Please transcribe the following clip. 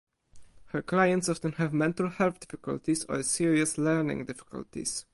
Her clients often have mental health difficulties or serious learning difficulties.